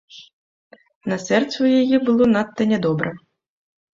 На сэрцы ў яе было надта нядобра.